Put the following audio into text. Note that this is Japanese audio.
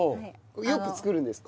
よく作るんですか？